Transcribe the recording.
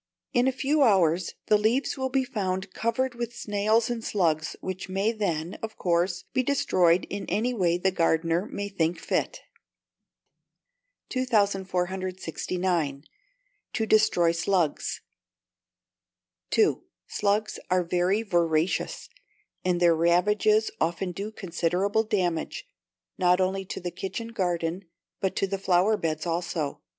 In a few hours the leaves will be found covered with snails and slugs, which may then, of course, be destroyed in any way the gardener may think fit. 2469. To Destroy Slugs (2). Slugs are very voracious, and their ravages often do considerable damage, not only to the kitchen garden, but to the flower beds also.